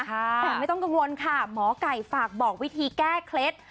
แต่ไม่ต้องกังวลค่ะหมอไก่ฝากบอกวิธีแก้เคล็ด